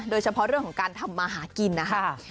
โดยเฉพาะเรื่องของการทำมาหากินนะครับ